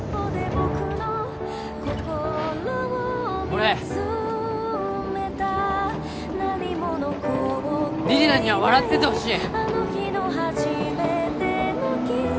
俺李里奈には笑っててほしい！